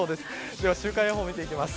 では、週間予報見ていきます。